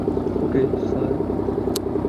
ওকে, sir.